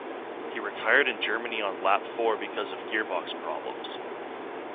He retired in Germany on lap four because of gearbox problems.